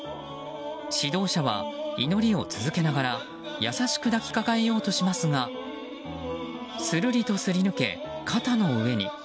指導者は祈りを続けながら優しく抱きかかえようとしますがするりとすり抜け、肩の上に。